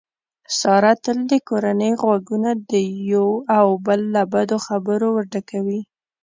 ساره تل د کورنۍ غوږونه د یو او بل له بدو خبرو ورډکوي.